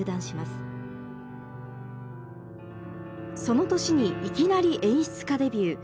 その年にいきなり演出家デビュー。